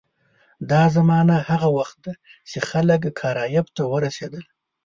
دا زمانه هغه وخت ده چې خلک کارایب ته ورسېدل.